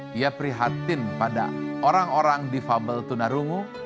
dia prihatin pada orang orang defable tunarungu